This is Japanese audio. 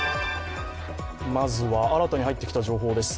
まずは新たに入ってきた情報です。